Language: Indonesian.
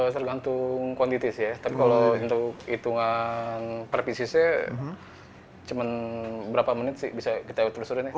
tergantung quantity sih ya tapi kalau untuk hitungan perpisiusnya cuma berapa menit sih bisa kita usurin ya